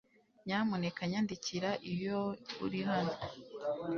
Nyamuneka nyandikira iyo uri hano